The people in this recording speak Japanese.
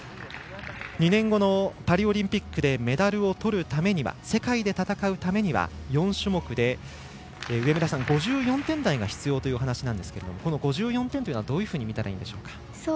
２年後のパリオリンピックでメダルをとるためには世界で戦うためには４種目で５４点台が必要というお話なんですけれどもこの５４点というのはどのようにみたらいいんでしょうか。